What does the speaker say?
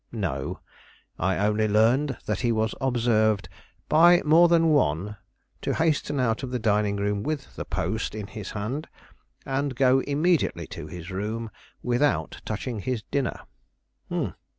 "No; I only learned that he was observed, by more than one, to hasten out of the dining room with the Post in his hand, and go immediately to his room without touching his dinner."